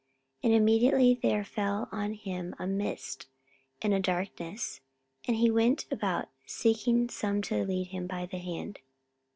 And immediately there fell on him a mist and a darkness; and he went about seeking some to lead him by the hand.